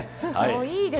いいですね。